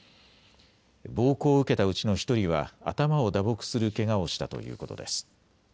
暴行を受けたうちの１人は頭を打撲するけがをしたということです。